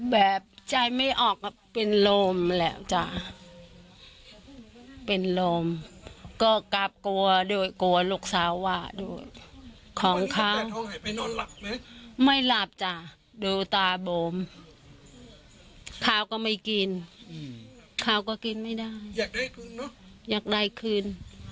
อยากได้คืนเนาะอยากได้คืน